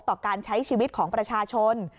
ต่อการใช้ชีวิตของประชาชน